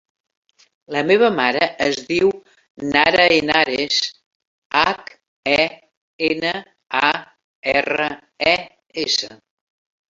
La meva mare es diu Nara Henares: hac, e, ena, a, erra, e, essa.